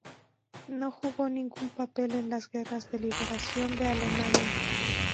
No jugó ningún papel en las guerras de liberación de Alemania.